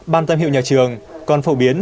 ban tâm hiệu nhà trường còn phổ biến